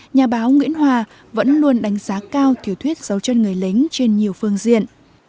nhà báo nguyễn hòa vẫn luôn đánh giá cao thiếu thuyết dấu chân người lính trên nhiều phương diện